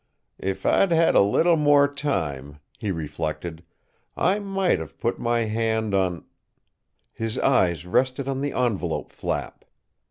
"If I'd had a little more time," he reflected, "I might have put my hand on " His eyes rested on the envelope flap.